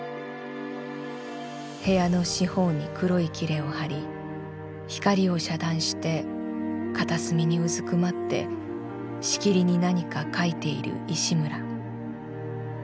部屋の四方に黒いきれを貼り光を遮断して片隅にうずくまってしきりに何か描いている石村。